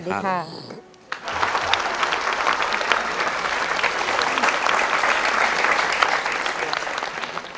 สวัสดีค่ะ